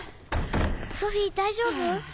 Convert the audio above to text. ソフィー大丈夫？